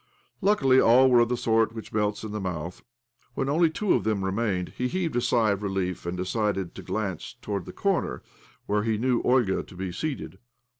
Luckily all were of the sort which melts in the mouth. When only two of theni remained he heaved a sigh of relief, and' decided to glance towards the comer where he knew Olga to be seated.